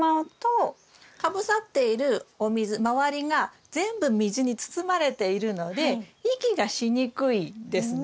かぶさっているお水周りが全部水に包まれているので息がしにくいんですね。